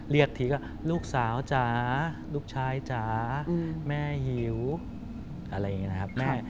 เรียกทีก็ลูกสาวจ๋าลูกชายจ๋าแม่หิวอะไรอย่างนี้นะครับแม่